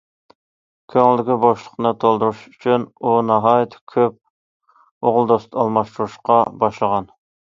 كۆڭلىدىكى بوشلۇقنى تولدۇرۇش ئۈچۈن، ئۇ ناھايىتى كۆپ ئوغۇل دوست ئالماشتۇرۇشقا باشلىغان.